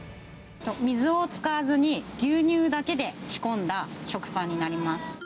水を使わずに、牛乳だけで仕込んだ食パンになります。